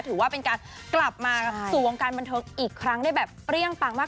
ถือว่าเป็นการกลับมาสู่วงการบันเทิงอีกครั้งได้แบบเปรี้ยงปังมาก